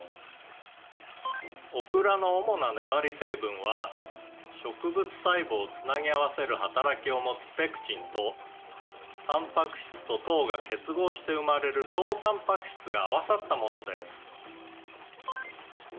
「オクラの主な粘り成分は植物細胞を繋ぎ合わせる働きを持つペクチンとたんぱく質と糖が結合して生まれる糖たんぱく質が合わさったものです」